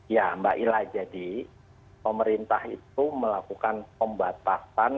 ya mbak ila jadi pemerintah itu melakukan pembatasan